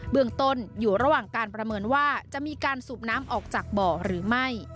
เมืองต้นอยู่ระหว่างการประเมินว่าจะมีการสูบน้ำออกจากบ่อหรือไม่